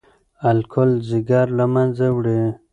الکول ځیګر له منځه وړي.